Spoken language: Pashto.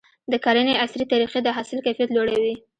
د کرنې عصري طریقې د حاصل کیفیت لوړوي.